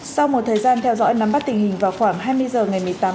sau một thời gian theo dõi nắm bắt tình hình vào khoảng hai mươi h ngày một mươi tám